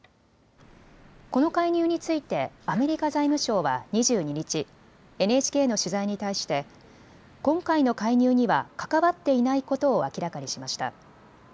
この介入についてアメリカ財務省は２２日、ＮＨＫの取材に対して今回の介入には関わっていないことを明らかにしました。